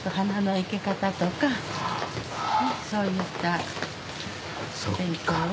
そういった勉強を。